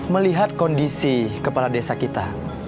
melihat kondisi kepala desa kita